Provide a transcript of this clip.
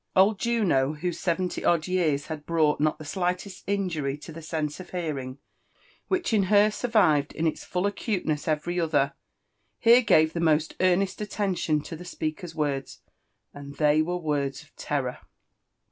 Old Juno, whose seventy odd years had brought not the slightest injury to the sense of hearing, which in her survived in its full acule ness every other, here gave the most oarnesl allenlion to the speaker's words — and they were words of terror.